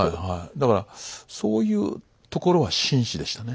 だからそういうところは真摯でしたね。